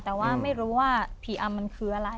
แต่ว่าไม่รู้ว่าผีอำมันคืออะไร